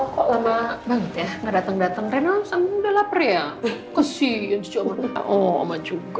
kesian sejaman itu